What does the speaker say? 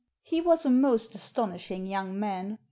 He was a most astonishing young man.